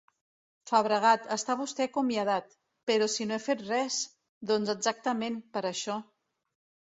-Fabregat, està vostè acomiadat. -Però si no he fet res! -Doncs exactament, per això.